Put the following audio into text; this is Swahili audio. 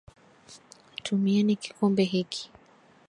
Tumieni kikombe hiki.